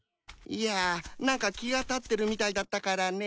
いや何か気が立ってるみたいだったからね。